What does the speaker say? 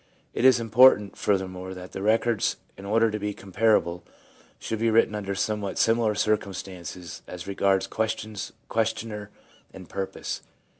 1 It is important, furthermore, that the records, in order to be comparable, should be written under somewhat similar circumstances as regards questions, questioner and purpose.